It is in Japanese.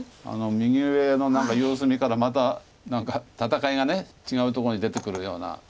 あの右上の何か様子見からまた何か戦いが違うとこに出てくるような。